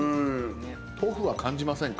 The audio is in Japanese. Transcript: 豆腐は感じませんか？